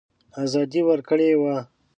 آزادي ورکړې وه.